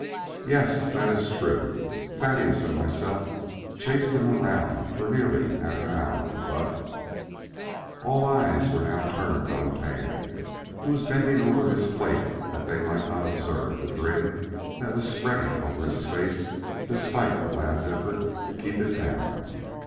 "Yes, that is true. Thaddeus and myself chased him around for nearly half an hour, but " All eyes were now turned on Tad, who was bending over his plate that they might not observe the grin that was spreading over his face despite the lad's effort to keep it down.